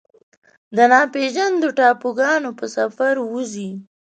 د ناپیژاندو ټاپوګانو په سفر وځي